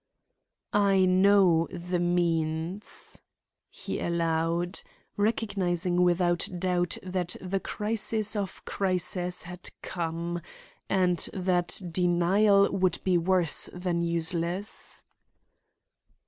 "I know the means," he allowed, recognizing without doubt that the crisis of crises had come, and that denial would be worse than useless.